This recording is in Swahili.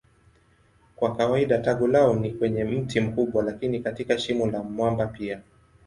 Kwa kawaida tago lao ni kwenye mti mkubwa lakini katika shimo la mwamba pia.